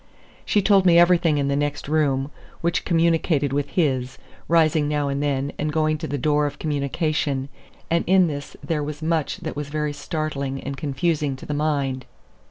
She told me everything in the next room, which communicated with his, rising now and then and going to the door of communication; and in this there was much that was very startling and confusing to the mind.